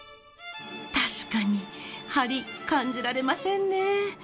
確かにハリ感じられませんね。